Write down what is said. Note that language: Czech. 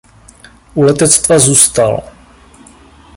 U letectva zůstal.